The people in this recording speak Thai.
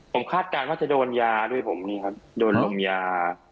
ผมคาดการณ์ว่าจะโดนยาด้วยผมนี่ครับโดนลมยา